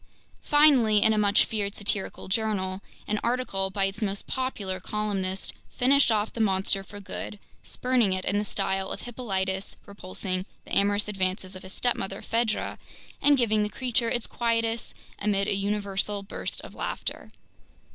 Finally, in a much feared satirical journal, an article by its most popular columnist finished off the monster for good, spurning it in the style of Hippolytus repulsing the amorous advances of his stepmother Phaedra, and giving the creature its quietus amid a universal burst of laughter.